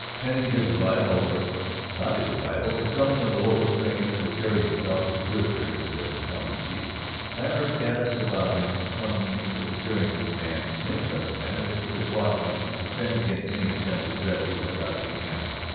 Pending his arrival, or, if not his arrival, the coming of the local train that would carry himself and prisoner to the county seat, Lambert cast about him for some means of securing his man in such manner that he could watch him and defend against any attempted rescue without being hampered.